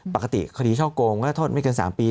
ปกติคดีช่อโกงก็โทษไม่เกิน๓ปี